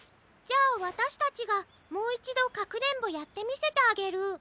じゃあわたしたちがもういちどかくれんぼやってみせてあげる。